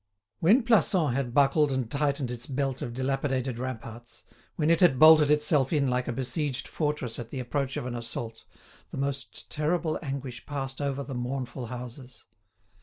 When Plassans had buckled and tightened its belt of dilapidated ramparts, when it had bolted itself in like a besieged fortress at the approach of an assault, the most terrible anguish passed over the mournful houses.